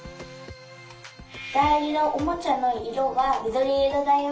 だいじなおもちゃのいろはみどりいろだよ。